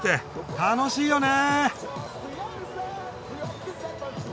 楽しいよね。